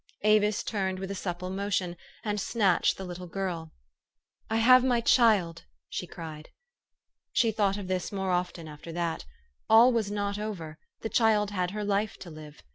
Avis turned with a supple motion, and snatched the little girl. " 1 have my child !" she cried. She thought of this more often after that : ah 1 was not over, the child had her life to live.